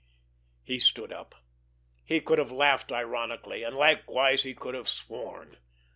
He stood up. He could have laughed ironically, and likewise he could have sworn.